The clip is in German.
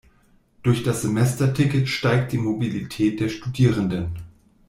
Durch das Semesterticket steigt die Mobilität der Studierenden.